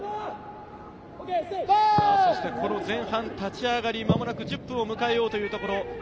前半立ち上がり、間もなく１０分を迎えようというところ。